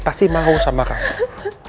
pasti mau sama kamu